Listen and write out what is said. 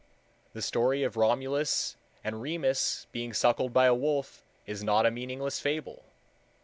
The story of Romulus and Remus being suckled by a wolf is not a meaningless fable.